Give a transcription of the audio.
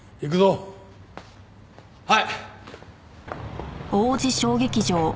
はい。